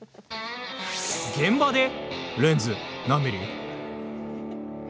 現場で「レンズ何ミリ？」